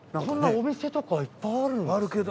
お店とかいっぱいあるんですね。